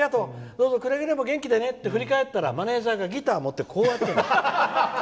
どうぞくれぐれも元気でねって振り返ったらマネージャーがギター持ってたの。